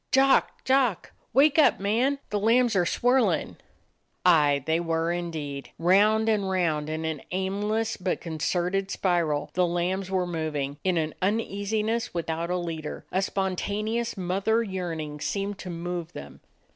"Jock! Jock! Wake up, man! The lambs are swirlin'!" Aye, they were indeed. Round and round in an aimless but concerted spiral, the lambs were moving; it was an uneasiness without a leader ; a spontaneous mother yearning seemed to move them.